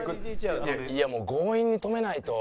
いや強引に止めないと。